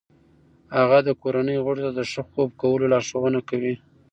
هغه د کورنۍ غړو ته د ښه خوب کولو لارښوونه کوي.